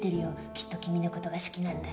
きっと君の事が好きなんだ。